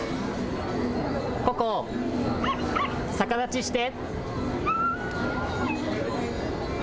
ココ、逆立ちして！